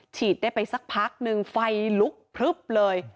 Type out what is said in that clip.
ฉีดได้ไปสักพักนึงไฟลุกพลึบเลย